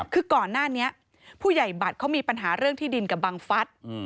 คือก่อนหน้านี้ผู้ใหญ่บัตรเขามีปัญหาเรื่องที่ดินกับบังฟัฐ